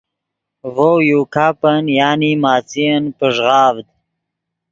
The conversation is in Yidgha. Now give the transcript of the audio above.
ڤؤ یو گپن (ماݯین) پݱغاڤد